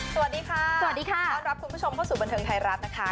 สวัสดีค่ะสวัสดีค่ะต้อนรับคุณผู้ชมเข้าสู่บันเทิงไทยรัฐนะคะ